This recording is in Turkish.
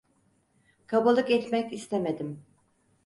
Kabalık etmek istemedim.